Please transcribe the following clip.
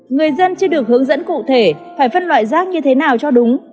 người dân chưa được hướng dẫn cụ thể phải phân loại rác như thế nào cho đúng